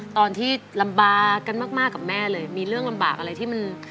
ตอนที่ลำบากกันมากกับแม่เลยมีเรื่องลำบากอะไรที่มัน